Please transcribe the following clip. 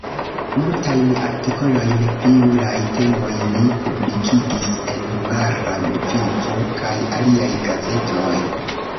Multajn artikolojn pri juraj temoj li publikigis en Hungara Vivo kaj aliaj gazetoj.